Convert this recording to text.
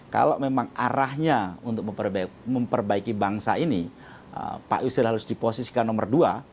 kalau memang arahnya untuk memperbaiki bangsa ini pak yusril harus diposisikan nomor dua